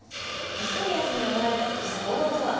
ミステリアスに思われたくてした行動とは？